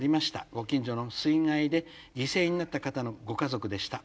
ご近所の水害で犠牲になった方のご家族でした。